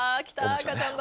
赤ちゃんだ。